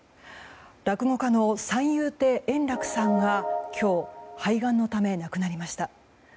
落語家の三遊亭円楽さんが今日、肺がんのため亡くなりました。